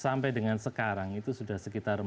sampai dengan sekarang itu sudah sekitar empat tahun